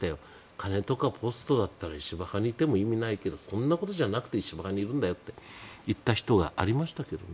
金とかポストだったら石破派にいても意味がないけどそんなことじゃなくて石破派にいるんだよと言った人がありましたけどね。